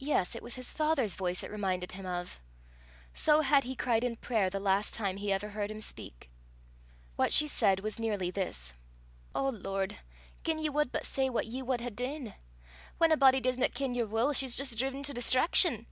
Yes, it was his father's voice it reminded him of! So had he cried in prayer the last time he ever heard him speak. What she said was nearly this: "O Lord, gien ye wad but say what ye wad hae deen! Whan a body disna ken yer wull, she's jist driven to distraction.